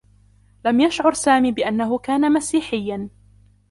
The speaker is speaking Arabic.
لم يشعر سامي بأنّه كان مسيحيّا.